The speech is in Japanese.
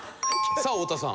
さあ太田さん。